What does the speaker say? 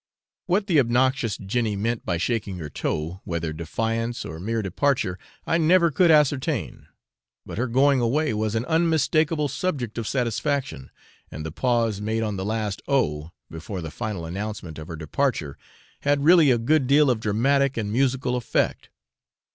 What the obnoxious Jenny meant by shaking her toe, whether defiance or mere departure, I never could ascertain, but her going away was an unmistakable subject of satisfaction; and the pause made on the last 'oh!' before the final announcement of her departure, had really a good deal of dramatic and musical effect.